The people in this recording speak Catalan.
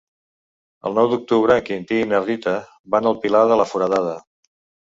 El nou d'octubre en Quintí i na Rita van al Pilar de la Foradada.